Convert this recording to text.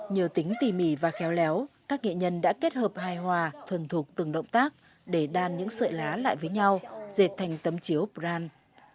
nhờ tính tỉ mỉ và khéo léo các nghệ nhân đã kết hợp hài hòa thuần thuộc từng động tác để đan những sợi lá lại với nhau dệt thành tấm chiếu bran